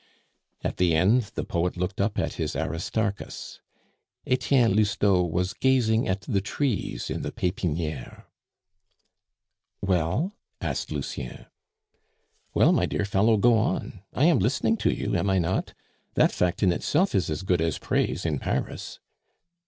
At the end, the poet looked up at his Aristarchus. Etienne Lousteau was gazing at the trees in the Pepiniere. "Well?" asked Lucien. "Well, my dear fellow, go on! I am listening to you, am I not? That fact in itself is as good as praise in Paris."